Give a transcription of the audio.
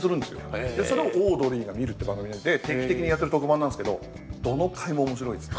それをオードリーが見るっていう番組で定期的にやってる特番なんですけどどの回も面白いですよ。